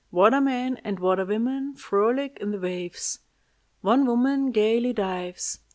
Water men and water women frolic in the waves. One woman gayly dives.